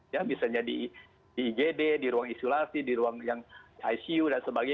ya misalnya di igd di ruang isolasi di ruang yang icu dan sebagainya